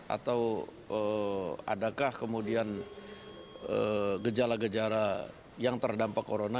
atau adakah kemudian gejala gejala yang terdampak corona